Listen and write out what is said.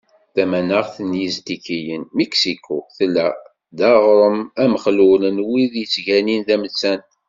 Tamaneɣt n Yiztikiyen, Miksiku, tella d aɣrem amexlul n wid yettganin tamettant.